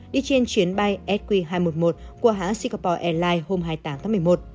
đi trên chuyến bay sq hai trăm một mươi một qua hãng singapore airlines hôm hai mươi tám tháng một mươi một